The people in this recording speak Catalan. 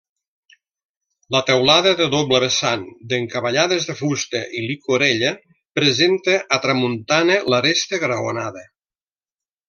La teulada de doble vessant, d'encavallades de fusta i llicorella presenta a tramuntana l'aresta graonada.